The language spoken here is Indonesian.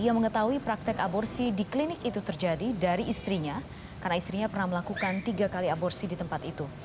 ia mengetahui praktek aborsi di klinik itu terjadi dari istrinya karena istrinya pernah melakukan tiga kali aborsi di tempat itu